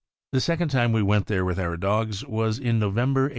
The second time we went there with our dogs was in November, 1856.